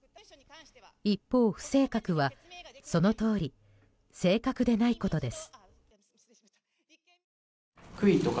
一方、不正確はそのとおり正確でないことです。